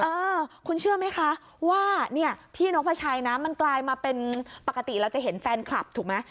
เออคุณเชื่อไหมคะว่าเนี่ยพี่นกพระชัยนะมันกลายมาเป็นปกติเราจะเห็นแฟนคลับถูกไหม